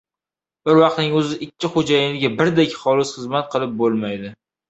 • Bir vaqtning o‘zida ikki xo‘jayinga birdek xolis xizmat qilib bo‘lmaydi.